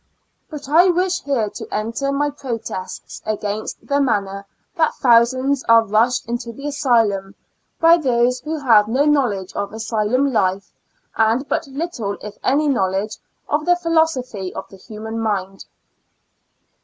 But I wish here to enter my protest against the manner that thousands are rushed into the asylum, by those who have no knowledge of asylum life and but little if any knowledge of the philosophy of the human mind.